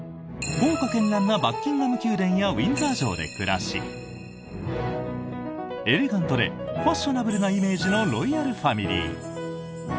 絢爛豪華なバッキンガム宮殿やウィンザー城で暮らしエレガントでファッショナブルなイメージのロイヤルファミリー。